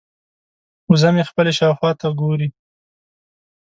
وزه مې خپلې شاوخوا ته ګوري.